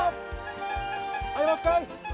はいもう一回！